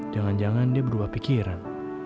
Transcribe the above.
jangan jangan dia berubah pikiran